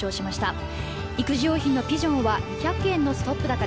育児用品のピジョンは２００円のストップ高です。